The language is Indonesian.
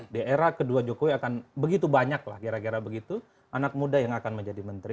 di era kedua jokowi akan begitu banyak lah kira kira begitu anak muda yang akan menjadi menteri